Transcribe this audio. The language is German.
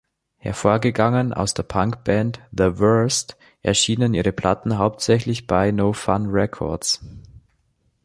Hervorgegangen aus der Punk-Band „The Worst“, erschienen ihre Platten hauptsächlich bei No Fun Records.